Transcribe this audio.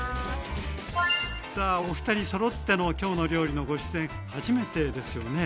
さあお二人そろっての「きょうの料理」のご出演初めてですよね。